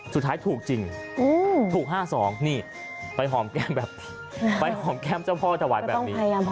สุดท้ายถูกจริงถูก๕๒นี่ไปหอมแก้มแบบนี้